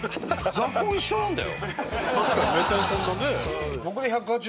座高一緒なんだよ？